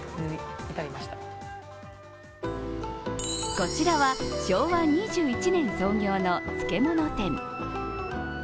こちらは昭和２１年創業の漬物店。